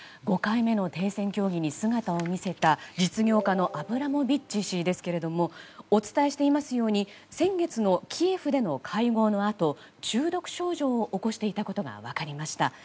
５回目の停戦協議に姿を見せた実業家のアブラモビッチ氏ですがお伝えしていますように先月のキエフでの会合のあと中毒症状を起こしていたことが分かりました。